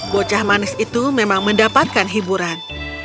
bocah manis itu memang mendapatkan hiburan